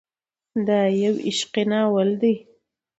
دا يو عشقي ناول دی.